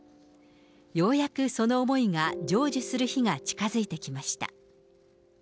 ようやくその思いが成就する日が近づいてきました。